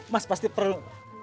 mas pasti perlu